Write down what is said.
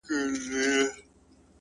• په دې دوه رنګه دنیا کي هرڅه کیږي ,